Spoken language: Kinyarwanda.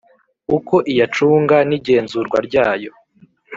uko iyacunga n igenzurwa ryayo